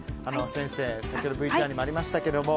先生、先ほどＶＴＲにもありましたけれども。